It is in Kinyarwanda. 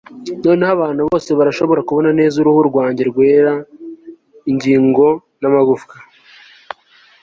noneho abantu bose barashobora kubona neza uruhu rwanjye rwera, ingingo, n'amagufwa